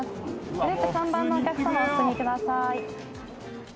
グループ３番のお客様お進みください。